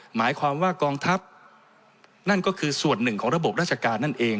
หมายความว่ากองทัพนั่นก็คือส่วนหนึ่งของระบบราชการนั่นเอง